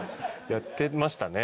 やってましたね